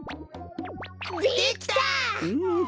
できた！